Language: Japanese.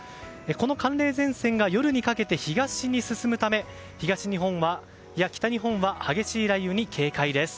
この寒冷前線が夜にかけて東に進むため北日本は激しい雷雨に警戒です。